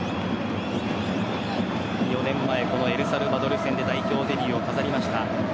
４年前、エルサルバドル戦で代表デビューを飾りました。